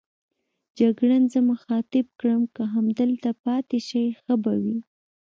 جګړن زه مخاطب کړم: که همدلته پاتې شئ ښه به وي.